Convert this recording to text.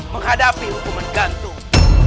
menghadapi hukuman gantung